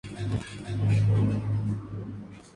Es conocido popularmente conocido como ""El Gago"".